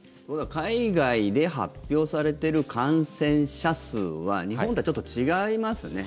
海外で発表されてる感染者数は日本とはちょっと違いますね。